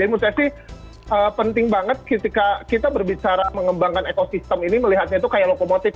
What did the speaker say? jadi itu menurut saya sih penting banget ketika kita berbicara mengembangkan ekosistem ini melihatnya itu kayak lokomotif